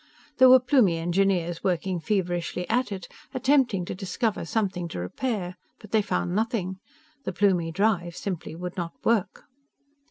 There were Plumie engineers working feverishly at it, attempting to discover something to repair. But they found nothing. The Plumie drive simply would not work.